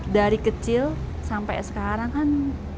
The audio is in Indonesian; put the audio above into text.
dari kecil sampai sekarang kan